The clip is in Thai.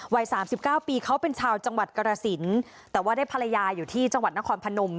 สามสิบเก้าปีเขาเป็นชาวจังหวัดกรสินแต่ว่าได้ภรรยาอยู่ที่จังหวัดนครพนม